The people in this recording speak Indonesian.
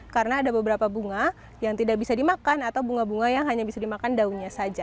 karena ada beberapa bunga yang tidak bisa dimakan atau bunga bunga yang hanya bisa dimakan daunnya saja